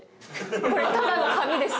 これただの紙です。